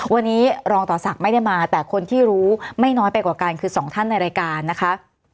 วันนี้รองต่อศักดิ์ไม่ได้มาแต่คนที่รู้ไม่น้อยไปกว่ากันคือสองท่านในรายการนะคะ